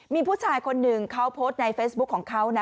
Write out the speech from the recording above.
มีผู้ชายคนหนึ่งเขาโพสต์ในเฟซบุ๊คของเขานะ